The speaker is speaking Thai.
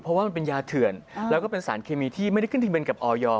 เพราะว่ามันเป็นยาเถื่อนแล้วก็เป็นสารเคมีที่ไม่ได้ขึ้นทะเบียนกับออย